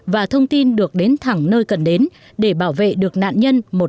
và thông tin được đến thẳng nơi các đồng mại